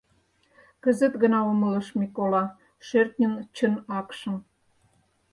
Кызыт гына умылыш Микола шӧртньын чын акшым.